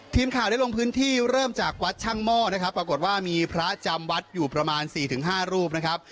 ทีมข่าวได้ลงพื้นที่เริ่มจากวัดช่างหม้อนะครับปรากฏว่ามีพระจำวัดอยู่ประมาณ๔๕รูปนะครับ